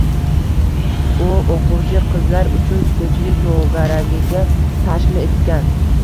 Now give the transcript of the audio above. U oʻquvchi qizlar uchun tikuvchilik toʻgaragi tashkil etgan